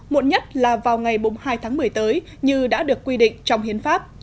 muộn nhất là vào ngày hai tháng một mươi tới như đã được quy định trong hiến pháp